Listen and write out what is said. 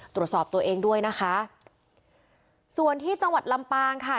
ตรวจสอบตัวเองด้วยนะคะส่วนที่จังหวัดลำปางค่ะ